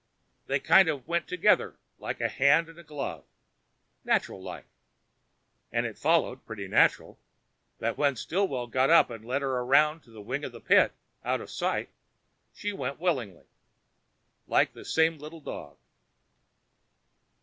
They kind of went together like a hand and a glove natural like. And it followed pretty natural that when Stillwell got up and led her around a wing of the pit, out of sight, she went willing like that same little dog.